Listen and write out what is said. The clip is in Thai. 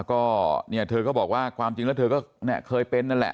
ก็เนี่ยเธอก็บอกว่าความจริงแล้วเธอก็เคยเป็นนั่นแหละ